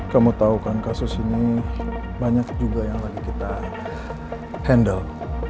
kamu tahu kan kasus ini banyak juga yang lagi kita handle